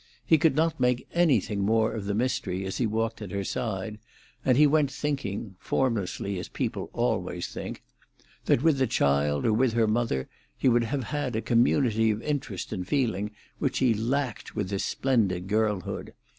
He could not make anything more of the mystery as he walked at her side, and he went thinking—formlessly, as people always think—that with the child or with her mother he would have had a community of interest and feeling which he lacked with this splendid girlhood!